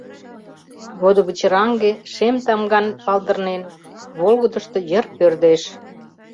Водывычыраҥге, шем тамган палдырнен, волгыдышто йыр пӧрдеш.